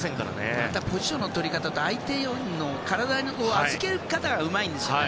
またポジションの取り方と相手への体の預け方がうまいんですよね。